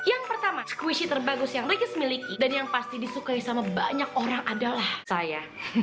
yang pertama squishy terbagus yang ricky miliki dan yang pasti disukai sama banyak orang adalah saya